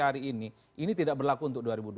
hari ini ini tidak berlaku untuk